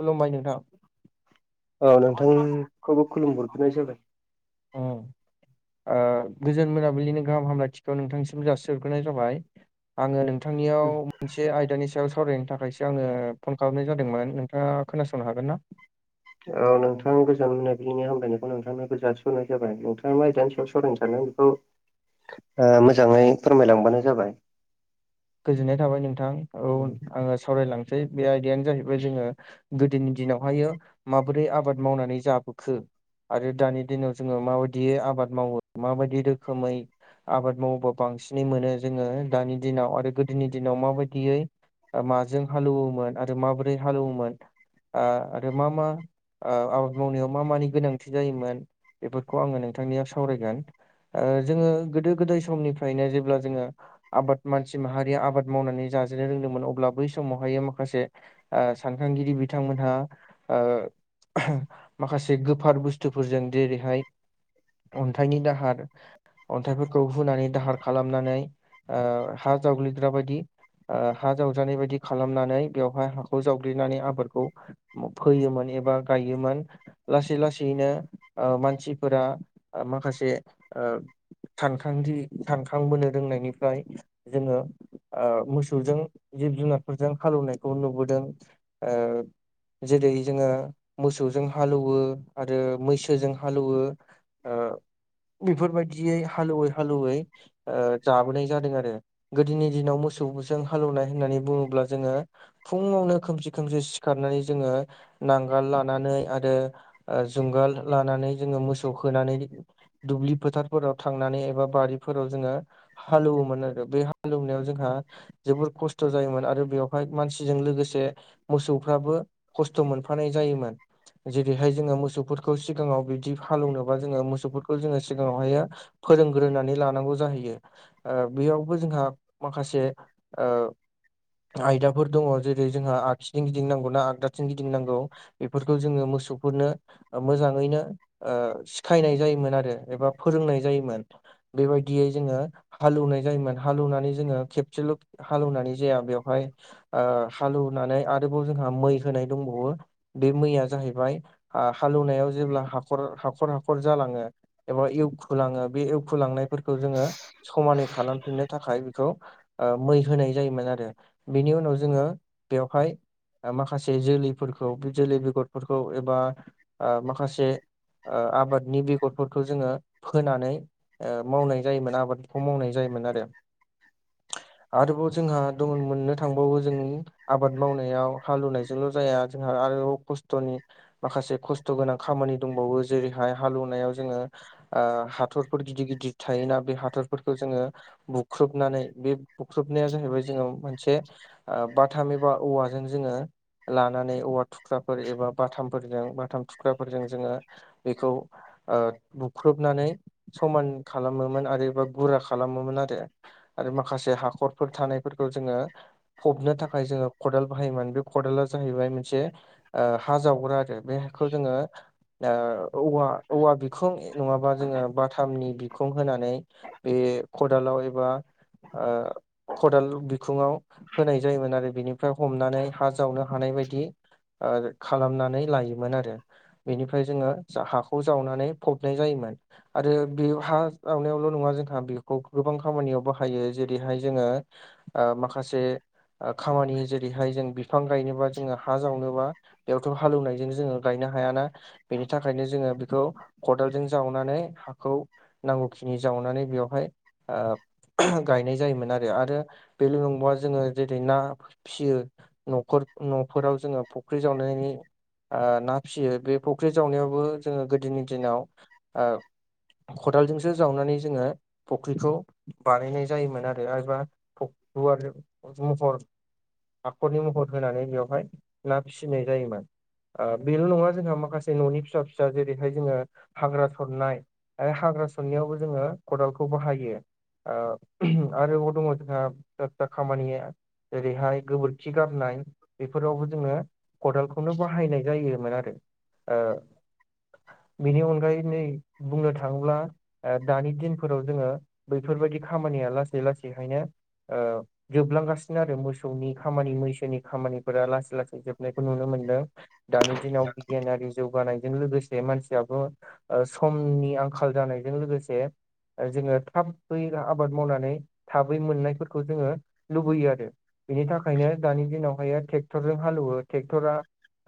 खुलुमबाय नोंथां औ नोंथांखौबो खुलुमहरफिननाय जाबाय ओ गोजोन मोनाबिलिनि गाहाम हामलायथिखौ नोंथांसिम जासिग्रोनाय जाबाय आङो नोंथांनियाव ए आयदानि सायाव सावरायनो थाखायसो आङो फन खालामनाय जादोंमोन नोंथाङा खोनासंनो हागोन ना औ नोंथां गोजान मोननाय बिनि हामलायनायखौ नोंथांनो गोजा सहरनाय जाबाय नोंथां दा मानि सायाव सावरायनो सानदों बेखौ [inaudible] ओ मोजाङै फोरमायलांबानो जाबाय गोजोननाय थाबाय नोंथां औ आङो सावरायलांसै बे आयदायानो जाहैबाय जोङो गोदोनि दिनावहायो माबोरै आबाद मावनानै जाबोखो आरो दानि दिनाव जोङो माबायदि आबाद मावो माबायदि रोखोमै आबाद मावोबा बांसिनै मोनो जोङो दानि दिनाव आरो गोदोनि दिनाव माबायदियै माजों हालौवोमोन आरो माबोरै हालेवोमोन ओ आरो मा मा ओ आबाद मावनायाव मा मानि गोनांथि जायोमोन। बेफोरखौ आङो नोंथांनिया सावरायगोन ओ जोङो गोदो गोदाय समनिफ्रायनो जेब्ला जोङो आबाद मानसि माहारिया आबाद मावनानै जाजानो रोंदोंमोन अब्ला बै समावहायो माखासे सानखांगिरि बिथांमोनहा ओ माखासे गोफार बुस्थुफोरजों जेरैहाय अन्थाइनि दाहार अन्थाइफोरखौ हुानै दाहार खालामनानै ओ हा जागलिग्रा बायदि हा जावजानाय बायदि खालामनानै बेवहाय हाखौ जावग्लिनानै आबादखौ फोयोमोन एबा गायोमोन लासै लासैैनो ओ मानसिफोरा माखासे ओ सानखांथि सानखांबोनो रोंनायनिफ्राय जोङो ओ मोसौजों जिब जुनारफोरजों हालेवनायखौ नुबोदों ओ जेरै जोङो मोसौजों हालौवो आरो मैसोजों हालौवो ओ बेफोरबायदियै हालौवै हालौवै जाबोनाय जादों आरो गोदोनि दिनाव मोसौजों हालौवनाय होननानै बुङोब्ला जोङो फुङावनो खोमसि खोमसि सिखारनानै जोङो नांगाल लानानै आरो जुंगाल लानानै जोङो मोसौ होनानै दुब्लि फोथारफोराव थांनानै एबा बारिफोराव जोङो हालौवोमोन आरो बे हालेवनायाव जोंहा जोबोर खस्थ' जायोमोन आरो बेवहाय मानसिजों लोगोसे मोसौफ्राबो खस्थ' मोनफानाय जायोमोन। जेरैहाय जोङो मोसौफोरखौ सिगाङाव बिदि हालेौनोबा जोङो मोसौफोरखौ जोङो सिगाङावहायो फोरोंग्रोनानै लानांगौ जाहैयो बेयाव जोंहा माखासे ओ आयदाफोर दङ जेरै जोंहा आगसिजोंं गिदिंनांगौ ना आगदाथिं गिदिंनांगौ बेफोरखौ जोङो मोसौफोरनो मोजाङैनो सिखायनाय जायोमोन आरो एबा फोरोंनाय जायोमोन। बेबायदियै जोङो हालेवनाय जायोमोन हालेवनानै जोङो खेबसेल' हालेवनानै जाया बेवहाय हालौवनानै आरोबाव जोंहा मै होनाय दंबावो। बे मैया जाहैबाय हालौवनायाव जेब्ला हाखर हाखर हाखर जालाङो। एबा एवखुलाङो बे एवखुलांनायफोरखौ जोङो समानै खालामफिननो थाखाय बेखौ मै होनाय जायोमोन आरो बिनि उनाव जोङो बेवहाय माखासे जोलैफोरखौ बे जोलै बेगरफोरखौ एबा माखासे ओ आबादनि बेगरफोरखौ जोङो फोनानै ओ मावनाय जायोमोन आबादखौ मावनाय जायोमोन आरो आरोबाव जोंहा दङ मोननो थांबावो जों आबाद मावनायाव हालेवनायजोंल' जाया जोंहा आरोव खस्थ'नि माखासे खस्थ' गोनां खामानि दंबावो जेरैहाय हालौवनायाव जोङो ओ हाथरफोर गिदिर गिदिर थायोना बे हाथरफोरखौ जोङो बु बुख्रुबनानै बे बुख्रुबनाया जाहैबाय जोङो मोनसे ओ बाथाम एबा औवाजों जोङो लानानै औवा थुख्राफोर एबा बाथामफोरजों बाथाम थुख्राफोरजों जोङो बेखौ बुख्रुबनानै समान खालामोमोन आरोबा गुरा खालामोमोन आरो आरो माखासे हाखरफोर थानायफोरखौ जोङो फबनो थाखाय जोङो खदाल बाहायोमोन बे खदाला जाहैबाय मोनसे ओ हा जावग्रा आरो बे हाखौ जोङो दा औवा औवा बिखुं नङाबा जोङो बाथामनि बिखुं होनानै बे खदालाव एबा खदाल बिखुङाव होनाय जायोमोन आरो बिनिफ्राय हमनानै हा जावनो हानाय बायदि खालामनानै लायोमोन आरो बेनिफ्राय जोङो हाखौ जावनानै फबनाय जायोमोन। आरो बे हा जावनायावल' नङा जोंहा बेखौ गोबां खामानियाव बाहायो जेरैहाय जोङो माखासे खामानि जेरैहाय जों बिफां गायनोबा जोङो हा जावनोबा बेयावथ' हालेवनायजों जोङो गायनो हायाना बेनि थाखायनो जोङो बेखौ खदालजों जावनानै हाखौ नांगौखिनि जावनानै बेवहाय ओ गायनाय जायोमोन आरो आरो बेल' नंबावा जोङो जेरै ना फियो न'खर न'फोराव जोङो फुख्रि जावनायनि ना फियो बे फुख्रि जावनायावबो जोङो गोदोनि दिनाव खदालजोंसो जावनानै जोङो फुख्रिखौ बानायनाय जायोमोन आरो एबा फुवार महर हाखरनि महर होनानै बेवहाय ना फिसिनाय जायोमोन। बेल' नङा जोंहा माखासे न'नि फिसा फिसा जेरैहाय जोङो हाग्रा सरनाय आरो हाग्रा सननायावबो जोङो खदालखौ बाहायो। ओ आरोबाव दङ जोंहा [unintelligible] खामानिया जेरैहाय गोबोरखि गारनाय बेफोरावबो जोङो खदालखौनो बाहायनाय जायोमोन आरो ओ बेनि अनगायै नै बुंनो थाङोब्ला दानि दिन फोराव जोङो बैफोरबायदि खामानिया लासै लासैहायनो ओ जोबलांगासिनो आरो मोसौनि खामानि मैसोनि खामानिफोरा लासै लासै। जोबनायखौ नुनो मोनदों दानि दिनाव बिगियानारि जौगानायजों लोगोसे मानसियाबो ओ समनि आंखाल जानायजों लोगोसे जोङो थाबै आबाद मावनानै थाबै मोननायफोरखौ जोङो लुबैयो आरो। बिनि थाखायनो दानि दिनावहायो ट्रेक्टरजों हालेवो ट्रेक्टरा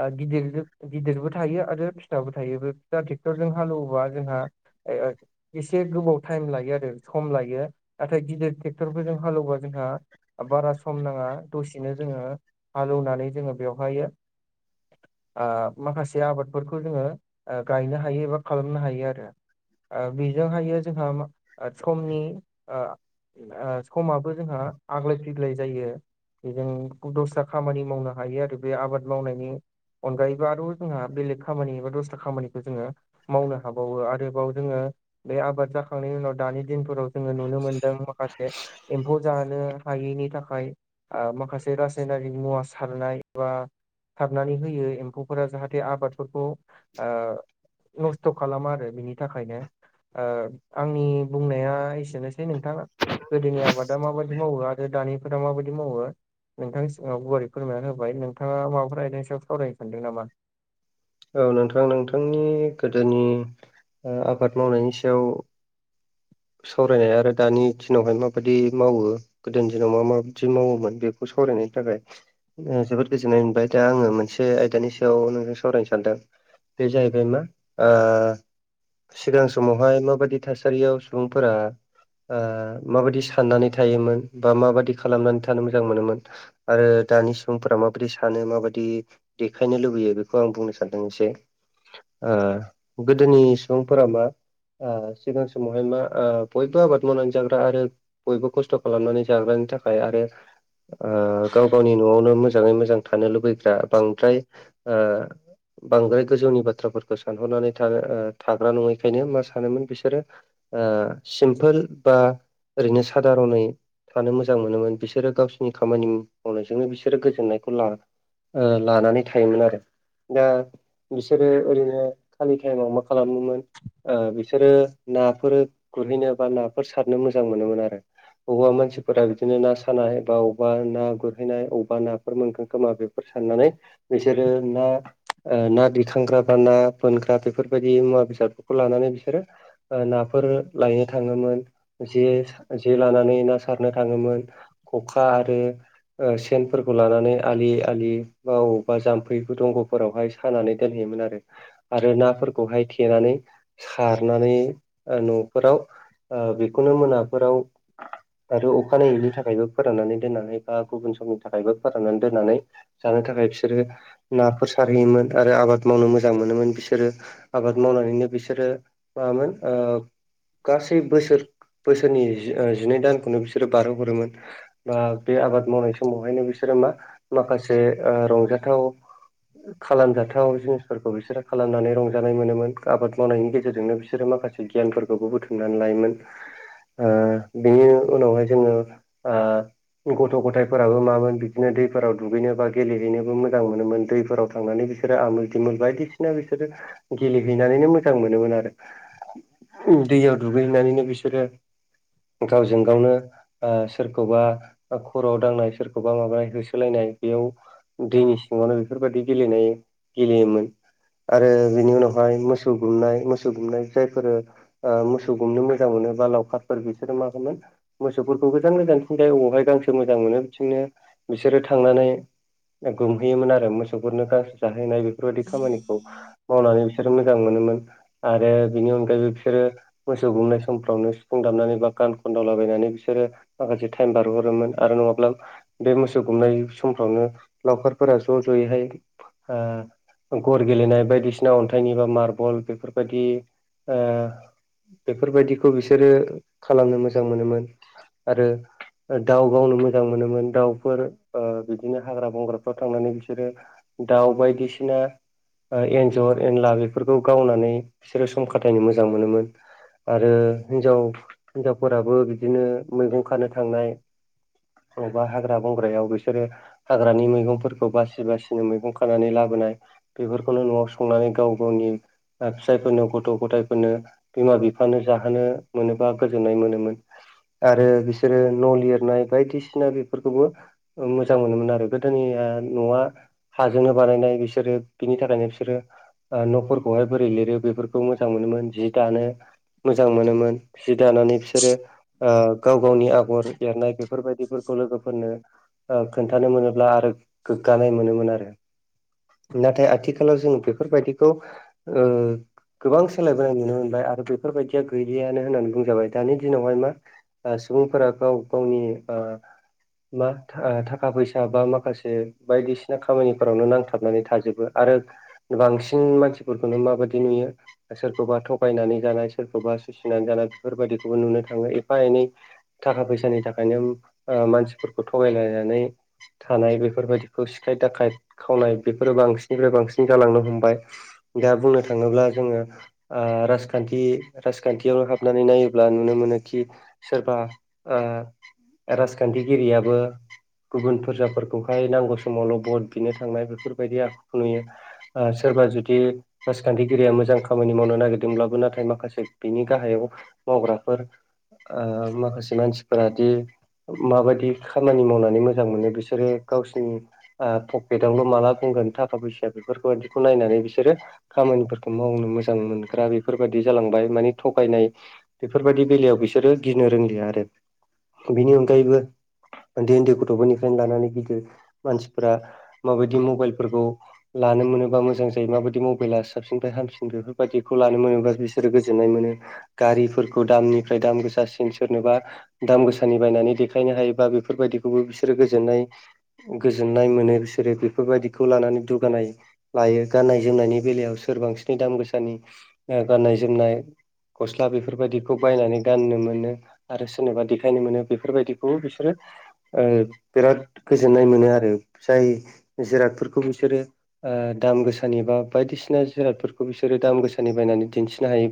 ओ गिदिर गिदिरबो थायो आरो फिसाबो थायो बे फिसा ट्रेक्टरजों हालेवबा जोंहा ए ओ एसे गोबौ टाइम लायो आरो सम लायो नाथाय गिदिर ट्रेक्टरफोरजों हालेवबा जोंहा बारा सम नाङा दसेनो जोङो हालेवनानै जोङो बेवहायो ओ माखासे आबादफोरखौ जोङो ओ गायनो हायो एबा खालामनो हायो आरो। ओ बेजोंहायो जोंहा समनि ओ ओ समाबो जोंहा आग्लाय फिग्लाय जायो। बेजोंनो दस्रा खामानि मावनो हायो आरो बे आबाद मावनायनि अनगायैबो आरो जोंहा बेलेग खामानि एबा दस्रा खामानिखौ जोङो मावनो हाबावो आरोबाव जोङो बे आबाद थांनायनि उनाव दानि दिनफोराव जोङो नुनो मोनदों माखासे एम्फौ जानो हायैनि थाखाय ओ माखासे रासायनारि मुवा सारनाय बा सारनानै होयो एम्फौफोरा जाहाथे आबादफोरखौ ओ नस्थ' खालामा आरो बिनि थाखायनो ओ आंनि बुंनाया एसेनोसै नोंथाङा गोदोनि आबादा माबायदि मावो आरो दानि फोरा माबायदि मावो नोंथांनि सिगाव गुवारै फोरमायनानै होबाय नोंथाङा माबाफोर आयदानि सायाव सावरायनोफिनदों नामा? औ नोंथां नोंथांनि गोदोनि आबाद मावनायनि सायाव सावरायनाया आरो दानि दिनावहाय माबायदि मावो गोदोनि दिनाव मा माबायदि मावोमोन बेखौ सावरायनायनि थाखाय जोबोद गोजोननाय मोनबाय दा आङो मोनसे आयदानि सायाव नोंजों सावरायनो सानदों। बे जाहैबाय मा ओ सिगां समावहाय माबायदि थासारियाव सुबुंफोरा ओ माबायदि साननानै थायोमोन बा माबायदि खालामनानै थानो मोजां मोनोमोन आरो दानि सुबुंफोरा माबादि सानो माबायदि देखायनो लुबैयो बेखौ आं बुंनो सानदों एसे। ओ गोदोनि सुबुंफोरा मा ओ सिगां समावहाय मा ओ बयबो आबाद मावनानै जाग्रा आरो बयबो खस्थ' खालामनानै जाग्रानि थाखाय आरो ओ गाव गावनि न'आवनो मोजाङै मोजां थानो लुबैग्रा बांद्राय ओ बांद्राय गोजौनि बाथ्राफोरखौ सानहरनानै थानो थाग्रा नङैखायनो मा सानोमोन बिसोरो ओ सिम्पोल बा ओरैनो सादारनै थानो मोजां मोनोमोन बिसोरो गावसिनि खामानि मावनायजोंनो बिसोरो गोजोननायखौ ला ओ लानानै थायोमोन आरो दा बिसोरो ओरैनो खालि टाइमाव मा खालामोमोन ओ बिसोरो ना फोर गुरहैनो बा नाफोर सारहैनो मोजां मोनोमोन आरो। अबावबा मानसिफोरा बिदिनो ना सानाय बा बबावबा ना गुरहैनाय अबेबा नाफोर मोनगोन खोमा बे साननानै बिसोरो ना ओ ना दिखांग्रा बा ना बोनग्रा बेफोरबायदि मुवा बेसादफोरखौ लानानै बिसोरो ओ ना फोर लायनो थाङोमोन। जे जे लानानै ना सारनो थाङोमोन। खखा आरो सेनफोरखौ लानानै आलि आलि बा बबावबा जाम्फै दंग'फोरावहाय सानानै दोनहैयोमोन आरो आरो नाफोरखौहाय थेनानै सारनानै न'फोराव ओ बेखौनो मोनाफोराव आरो अखानायैनि थाखायबो फोराननानै दोननानै बा गुबुन समनि थाखायबो फोराननानै दोननानै जानो थाखाय बिसोरो नाफोर सारहैयोमोन आरो आबाद मावनो मोजां मोनोमोन। बिसोरो आबाद मावनानैनो बिसोरो मामोन ओ गासै बोसोर बोसोरनि जिनै दानखौनो बिसोरो बारहोहरोमोन। बा बे आबाद मावनाय समावहायनो बिसोरो मा माखासे ओ रंजाथाव खालामजाथाव जिनिसफोरखौ बिसोरो खालामनानै रंजानाय मोनोमोन आबाद मावनायनि गेजेरजोंनो बिसोरो माखासे गियानफोरखौबो बुथुमनानै लायोमोन। ओ बिनि उनावहाय जोङो ओ गथ' गथायफोराबो मामोन बिदिनो दैफोराव दुगैनो बा गेलेहैनोबो मोजां मोनोमोन। दैफोराव थांनानै बिसोरो आमोल दिमोल बायदिसिना बिसोरो गेलेहैनानैनो मोजां मोनोमोन आरो दैयाव दुगैनानैनो बिसोरो गावजों गावनो ओ सोरखौबा खर'आव दांनाय सोरखौबा माबानाय होसोलायनाय बेयाव दैनि सिङावनो बेफोरबायदि गेलेनाय गेलेयोमोन। आरो बिनि उनावहाय मोसौ गुमनाय मोसौ गुमनाय जायफोरो ओ मोसौ गुमनो मोजां मोनो बा लावखारफोर बिसोरो मामोन मोसौफोरखौ गोजान गोजानथिं अबेहाय गांसो मोजां मोनो बिथिंनो बिसोरो थांनानै गुमहैयोमोन आरो मोसौफोरनो गांसो जाहैनाय बे फोरबायदि खामानिखौ मावनानै बिसोर मोजां मोनोमोन आरो बिनि अनगायैबो बिसोरो मोसौ गुमनाय समफ्रावनो सिुफुं दामनानै बा गान खन्दावलाबायनानै बिसोरो माखासे टाइम बारहरोमोन आरो नङाब्ला बे मोसौ गुमनाय समफ्रावनो लावखारफोरा ज' ज'यैहाय ओ गर गेलेनाय बायदिसिना अन्थाइनि बा मार्बल बेफोरबायदि ओ बेफोरबायदिखौ बिसोरो खालामनो मोजां मोनोमोन आरो दाउ गावनो मोजां मोनोमोन दाउफोर ओ बिदिनो हाग्रा बंग्राफ्राव थांनानै बिसोरो दाउ बायदिसिना एन्जर एनला बेफोरखौ गावनानै बिसोरो सम खाथायनो मोजां मोनोमोन। आरो हिनजाव हिनजावफोराबो बिदिनो मैगं खानो थांनाय अबेबा हाग्रा बंग्रायाव बिसोरो हाग्रानि मैगंफोरखौ बासि बासिनो मैगं खानानै बेफोरखौनो न'आव संनानै गाव गावनि ओ फिसायफोरनो गथ' गथायाइफोरनो बिमा बिफानो जाहोनो मोनोबा गोजोननाय मोनोमोन। आरो बिसोरो न' लिरनाय बायदिसिना बेफोरखौबो ओ मोजां मोनोमोन आरो। गोदोनि न'आ हाजोंनो बानायनाय, बिसोरो बिनि थाखायनो बिसोरो ओ न'फोरखौहाय बोरै लिरो बेफोरखौ मोजां मोनोमोन, जि दानो मोजां मोनोमोन। जि दानानै बिसोरो ओ गाव गावनि आगर एरनाय बेफोरबायदिफोरखौ लोगोफोरनो ओ खोन्थानो मोनोब्ला आरो गोग्गानाय मोनोमोन आरो। नाथाय आथिखालाव जों बेफोरबायदिखौ ओ गोबां सोलायबोनाय नुनो मो बाय आरो बेफोरबायदिया गैलियानो होननानै बुंजाबाय। दानि दिनावहाय मा ओ सुबुंफोरा गाव गावनि ओ मा थाखा फैसा बा माखासे बायदिसिना खामानिफोरावनो नांथाबनानै थाजोबो आरो बांसिन मानसिफोरखौनो माबायदि नुयो सोरखौबाथ' बायनानै जानाय, सोरखौबा सुसिनानै जानाय बेफोरबायदिखौबो नुनो थाङो एफा एनै थाखा फैसानि थाखायनो ओ मानसिफोरखौ थगायलायनानै थानाय बेफोरबायदिखौ सिखाय दाखायथ खावनाय बेफोरो बांसिननिफ्राय बांसिन जालांनो हमबाय। दा बुंनो थाङोब्ला जोङो ओ राजखान्थि राजखान्थियाव हाबनानै नायोब्ला नुनो मोनो खि सोरबा ओ राजखान्थिगिरियाबो गुबुन फोरजाफोरखौहाय नांगौ समावल' भट बिनो थांनाय बेफोरबायदि आखुखौ नुयो। ओ सोरबा जुदि राजखान्थिगिरिया मोजां खामानि मावनो नागिर दोंब्लाबो नाथाय माखासे बिनि गाहायाव मावग्राफोर ओ माखासे मानसिफोरादि माबायदि खामानि मावनानै मोजां मोनो बिसोरो गावसिनि ओ पकेटावल' माला बुंगोन थाखा फैसा बेफोरबायदिखौ नायनानै बिसो बिसोरो खामानिफोरखौ मावनो मोजां मोन ग्रा बेफोरबायदि जालांबाय माने थगायनाय बेफोरबायदि बेलायाव बिसोरो गिनो रोंलिया आरो। बेनि अनगायैबो ओन्दै ओन्दै गथ'फोरनिफ्रायनो लानानै गिदिर मानसिफोरा माबायदि मबाइलफोरखौ लानो मोनोबा मोजां जायो माबायदि मबाइला साबसिनफ्राय हामसिन बेफोरबायदि खौ लानो मोनोबा बिसोरो गोजोननाय मोनो। गारिफोरखौ दामनिफ्राय दाम गोसासिन सोरनोबा दाम गोसानि बायनानै देखायनो हायो बा बेफोरबायदिखौबो बिसोरो गोजोननाय गोजोननाय मोनो बिसोरो बेफोरबायदिखौ लानानै दुगानाय लायो गाननाय जोमनायनि बेलायाव सोर बांसिननि दाम गोसानि ओ गाननाय जोमनाय गस्ला बेफोरबायदिखौ बायनानै गाननो मोनो आरो सोरनिबा देखायनो मोनो बेफोरबायदिखौबो बिसोरो ओ बिराद गोजोननाय मोनो आरो। जाय जिरादफोरखौ बिसोरो ओ दाम गोसानि बा बायदिसिना जिरादफोरखौ बिसोरो दाम गोसानि बायनानै दिन्थिनो हायो